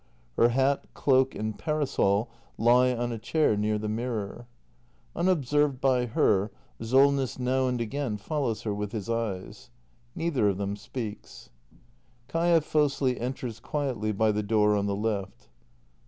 Her hat, cloak and parasol lie on a chair near the mirror. Unobserved by her, Solness noiv and again follows her with his eyes. Neither of them speaks. Kaia Fosli enters quietly by the door on the left.